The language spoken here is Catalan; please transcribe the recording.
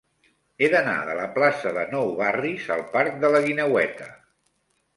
He d'anar de la plaça de Nou Barris al parc de la Guineueta.